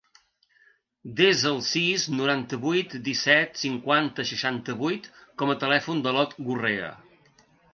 Desa el sis, noranta-vuit, disset, cinquanta, seixanta-vuit com a telèfon de l'Ot Gurrea.